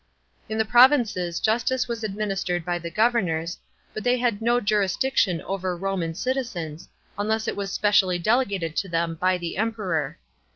In the provinces justice was administered by the governors, but they had no jurisdiction over Roman citizens, unless it was specially delegated to them by the Emperor.